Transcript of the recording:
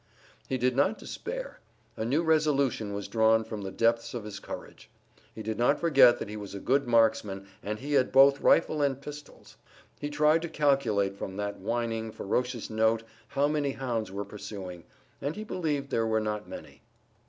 He did not yet despair. A new resolution was drawn from the depths of his courage. He did not forget that he was a good marksman and he had both rifle and pistols. He tried to calculate from that whining, ferocious note how many hounds were pursuing, and he believed they were not many.